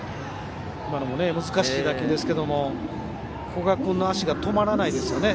今のも難しい打球ですが古賀君の足が止まらないですね。